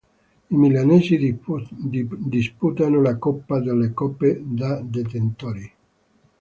I Milanesi disputano la Coppa delle Coppe da detentori.